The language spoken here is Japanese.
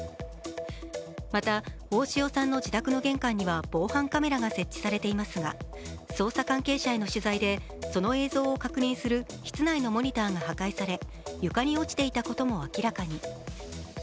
また大塩衣与さんの自宅の玄関には防犯カメラが設置されていますが捜査関係者への取材で、その映像を確認する室内のモニターが破壊され床に落ちていたことも明らかに。